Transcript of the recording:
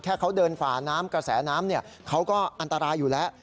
แค่เขาเดินฝ่าน้ำกระแสน้ำเขาก็อันตรายอยู่แล้ว